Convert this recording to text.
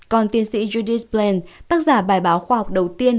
còn tiên sĩ judith blaine tác giả bài báo khoa học đầu tiên